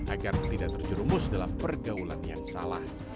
agar tidak terjerumus dalam pergaulan yang salah